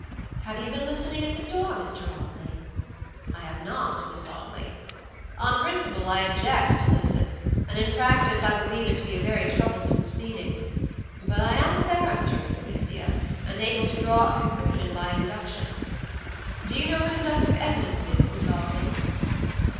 "Have you been listening at the door, Mr. Audley?" "I have not, Miss Audley. On principle, I object to listen, and in practice I believe it to be a very troublesome proceeding; but I am a barrister, Miss Alicia, and able to draw a conclusion by induction. Do you know what inductive evidence is, Miss Audley?"